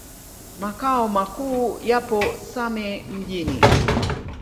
Makao makuu yapo Same Mjini.